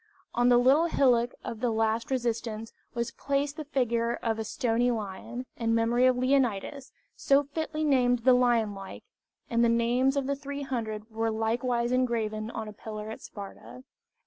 On the little hillock of the last resistance was placed the figure of a stone lion, in memory of Leonidas, so fitly named the lion like, and the names of the 300 were likewise engraven on a pillar at Sparta.